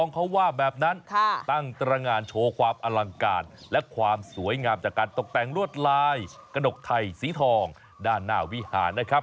แปลงรวดลายกระดกไทยสีทองด้านหน้าวิหารนะครับ